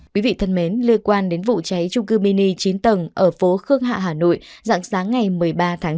quý vị thân mến liên quan đến vụ cháy trung cư mini chín tầng ở phố khương hạ hà nội dạng sáng ngày một mươi ba tháng chín